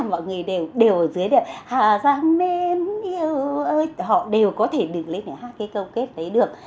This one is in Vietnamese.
và người ta đi theo tự nhiên